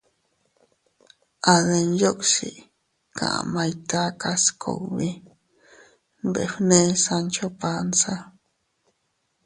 —A Denyuksi kamay takas kugbi —nbefne Sancho Panza.